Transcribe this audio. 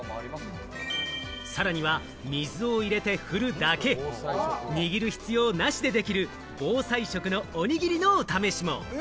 さらには水を入れて振るだけ、握る必要なしでできる、防災食のおにぎりのお試しも。